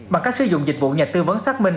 bằng cách sử dụng dịch vụ nhà tư vấn xác minh